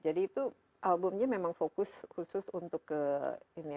jadi itu albumnya memang fokus khusus untuk ke ini ya